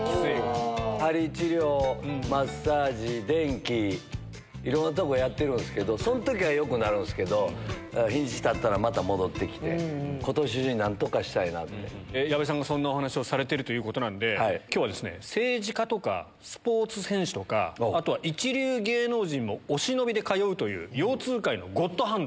針治療、マッサージ、電気、いろんなとこやってるんですけど、そんときはよくなるんですけど、日にちたったらまた戻ってきて、矢部さんがそんなお話をされてるということなんで、きょうは政治家とかスポーツ選手とか、あとは一流芸能人もお忍びで通うという腰痛界のゴッドハンド。